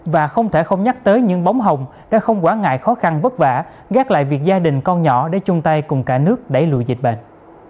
và không thể không nhắc tới những bóng hồng đã không quản ngại khó khăn vất vả gác lại việc gia đình con nhỏ để chung tay cùng cả nước đẩy lùi dịch bệnh